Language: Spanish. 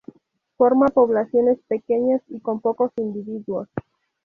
Forma poblaciones pequeñas y con pocos individuos.